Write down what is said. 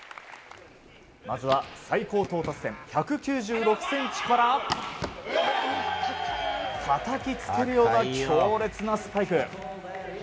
まずは最高到達点１９６ｃｍからたたきつけるような強烈なスパイク。